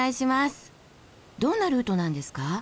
どんなルートなんですか？